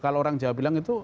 kalau orang jawa bilang itu